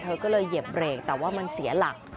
เธอก็เลยเหยียบเบรกแต่ว่ามันเสียหลัก